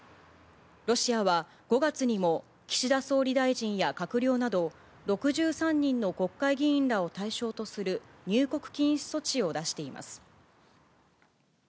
ロシアは５月にも岸田総理大臣や閣僚など６３人の国会議員らを対象とする入国禁止措置を出しています。